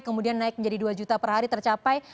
kemudian naik menjadi dua juta per hari tercapai